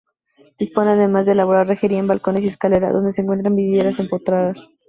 Dispone además de elaborada rejería en balcones y escalera, donde se encuentran vidrieras empotradas.